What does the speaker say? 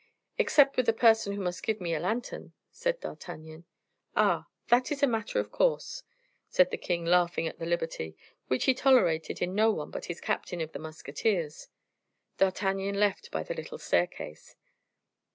"Except with the person who must give me a lantern," said D'Artagnan. "Oh! that is a matter of course," said the king, laughing at the liberty, which he tolerated in no one but his captain of the musketeers. D'Artagnan left by the little staircase.